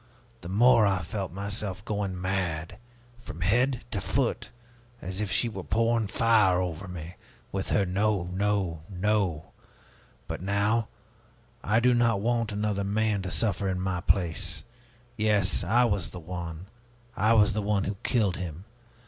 the more I felt myself going mad, from head to foot, as if she were pouring fire over me, with her 'No, no, no!' But now I do not want another man to suffer in my place. Yes, I was the one, I was the one who killed him!